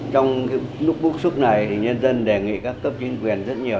trong cái lúc bút xuất này thì nhân dân đề nghị các cấp chính quyền rất nhiều